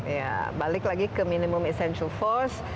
ya balik lagi ke minimum essential force